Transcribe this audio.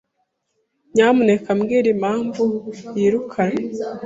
Nyamuneka mbwira impamvu yirukanwe.